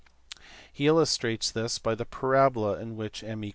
He illustrates this by the parabola in which m 2.